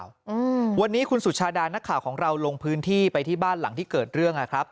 อืมวันนี้คุณสุชาดานักข่าวของเราลงพื้นที่ไปที่บ้านหลังที่เกิดเรื่องอ่ะครับ